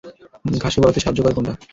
ঘাসকে বড় হতে সাহায্য করে কোনটা?